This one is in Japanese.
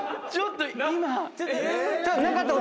ちょっと今。